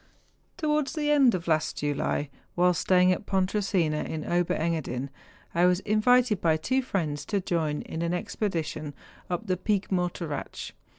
Towards the end of last July, while staying at Pontresina, in Ober Engadin, I was invited by two friends to join in an expedition up the Pic Mor teratsch.